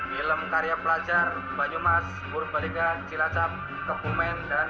film karya pelajar banyumas purbalingga cilacap kepulmen dan pelancar negara